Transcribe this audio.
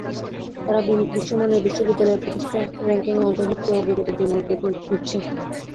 তারা বিশ্বমানের বিশ্ববিদ্যালয় প্রতিষ্ঠা, র্যাঙ্কিংয়ে অন্তর্ভুক্তি ও অগ্রগতির জন্য উদ্যোগ নিচ্ছে।